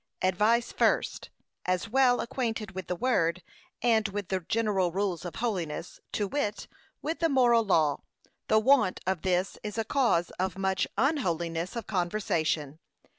Advice First, as well acquainted with the Word, and with the general rules of holiness; to wit, with the moral law; the want of this is a cause of much unholiness of conversation.